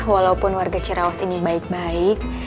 walaupun warga cirawas ini baik baik